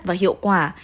và hiệu quả